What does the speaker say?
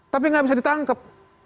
tapi gak bisa ditangkep